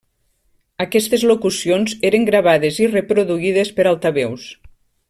Aquestes locucions eren gravades i reproduïdes per altaveus.